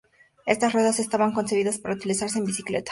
Estas ruedas estaban concebidas para utilizarse en bicicletas.